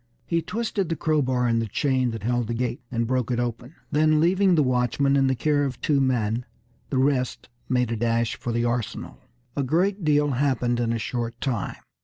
He twisted the crowbar in the chain that held the gate, and broke it open; then leaving the watchman in the care of two men, the rest made a dash for the arsenal. A great deal happened in a short time.